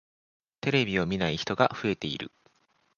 テレビを見ない人が増えている。